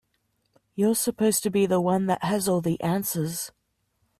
You're supposed to be the one that has all the answers.